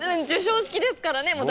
授賞式ですからね。